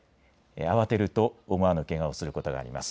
慌てると思わぬけがをすることがあります。